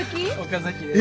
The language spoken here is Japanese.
岡崎です。